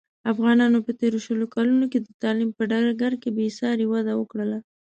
افغانانو په تېرو شلو کلونوکې د تعلیم په ډګر کې بې ساري وده وکړله.